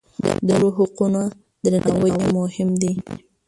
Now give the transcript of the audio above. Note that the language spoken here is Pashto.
د نورو حقونه درناوی یې مهم دی.